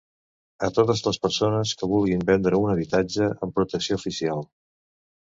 A totes les persones que vulguin vendre un habitatge amb protecció oficial.